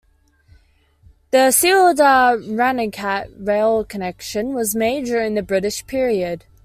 The Sealdah-Ranaghat rail connection was made during the British Period.